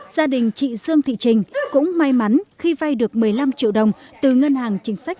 gia đình chị dương thị trình cũng may mắn khi vay được một mươi năm triệu đồng từ ngân hàng chính sách